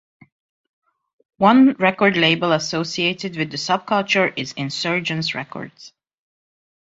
One record label associated with the subculture is Insurgence Records.